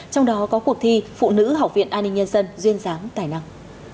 trong đó có cuộc thi phụ nữ học viện an ninh nhân dân duyên dám tài năng